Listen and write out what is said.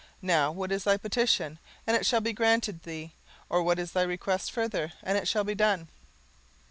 now what is thy petition? and it shall be granted thee: or what is thy request further? and it shall be done.